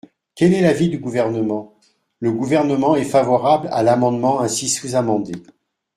Quel est l’avis du Gouvernement ? Le Gouvernement est favorable à l’amendement ainsi sous-amendé.